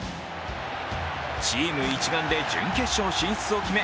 チーム一丸で準決勝進出を決め